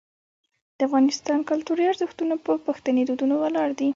د افغانستان کلتوري ارزښتونه په پښتني دودونو ولاړ دي.